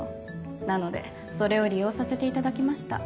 なのでそれを利用させていただきました。